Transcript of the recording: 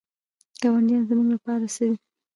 ګاونډیان زموږ لپاره څه دي؟